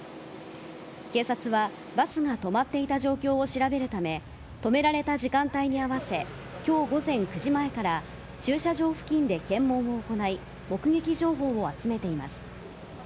警察はバスが止まっていた状況を調べるため、止められた時間帯に合わせ、きょう午前９時前から駐車場付近で検問を行い、目撃情報を集めています。